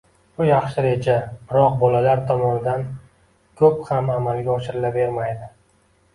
Bu yaxshi reja, biroq bolalar tomonidan ko‘p ham amalga oshirilavermaydi.